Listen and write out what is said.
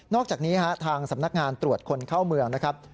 อกจากนี้ทางสำนักงานตรวจคนเข้าเมืองนะครับ